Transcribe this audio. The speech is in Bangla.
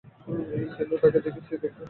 কিন্তু তাকে দেখ, সে দেখতে অস্ত্রের মতো।